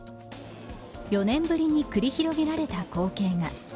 ４年ぶりに繰り広げられた光景が。